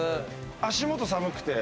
足元寒くて。